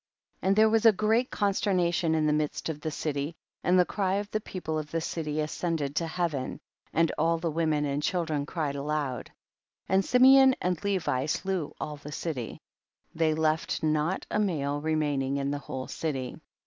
26. And there was a great conster nation in the midst of ihe city, and the cry of the people of the city as cended to heaven, and all the women and children cried aloud. 27. And Simeon and Levi slew all the city ; they left not a male re maining in the whole city.